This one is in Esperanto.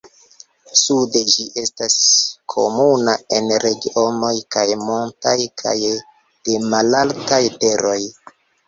Sude ĝi estas komuna en regionoj kaj montaj kaj de malaltaj teroj.